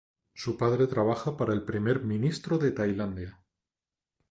Su padre trabaja para el Primer Ministro de Tailandia.